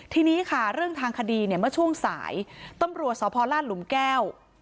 ทีนี้ค่ะเรื่องทางคดีเนี่ยเมื่อช่วงสายตำรวจสพลาดหลุมแก้ว